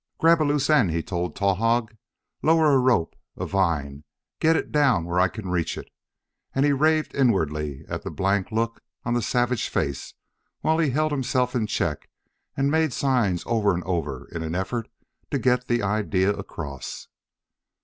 "Grab a loose end," he told Towahg. "Lower a rope a vine. Get it down where I can reach it!" And he raved inwardly at the blank look on the savage face while he held himself in check and made signs over and over in an effort to get the idea across.